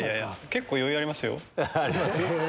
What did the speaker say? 結構余裕ありますよ。あります？